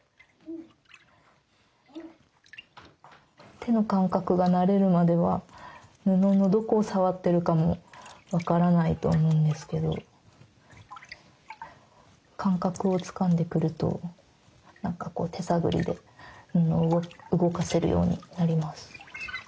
手の感覚が慣れるまでは布のどこを触ってるかも分からないと思うんですけど感覚をつかんでくると何かこう手探りで布を動かせるようになります。